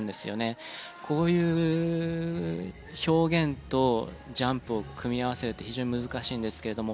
こういう表現とジャンプを組み合わせるって非常に難しいんですけれども。